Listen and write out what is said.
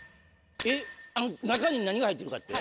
えっあの中に何が入ってるかって？